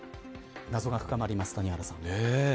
謎が深まります、谷原さん。